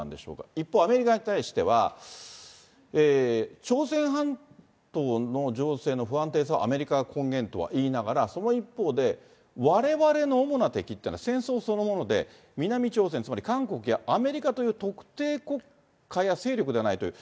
一方、アメリカに対しては、朝鮮半島の情勢の不安定さはアメリカが根源とは言いながら、その一方で、われわれの主な敵っていうのは、戦争そのもので、南朝鮮、つまり韓国やアメリカという特定国家や勢力ではないという。